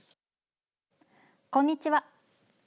こんにちは。